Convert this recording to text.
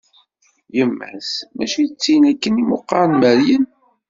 Yemma-s, mačči d tin akken iwumi i qqaren Meryem?